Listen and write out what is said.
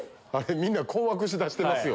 みんな困惑し出してますよ。